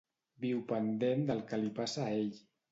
Viu pendent del que li passa a ell.